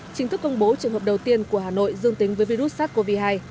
chính thức công bố trường hợp đầu tiên của hà nội dương tính với virus sars cov hai